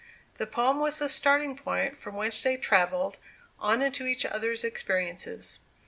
The poem was the starting point from whence they travelled on into each other's experiences.